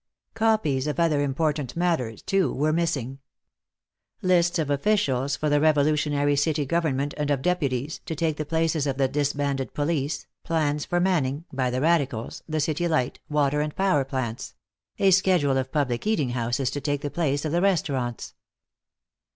Copies of other important matters, too, were missing. Lists of officials for the revolutionary city government and of deputies to take the places of the disbanded police, plans for manning, by the radicals, the city light, water and power plants; a schedule of public eating houses to take the place of the restaurants.